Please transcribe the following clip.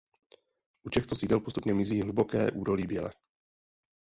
U těchto sídel postupně mizí hluboké údolí Bělé.